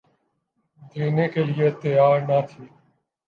دینے کے لئے تیّار نہ تھی۔